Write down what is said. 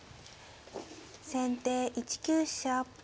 先手１九飛車。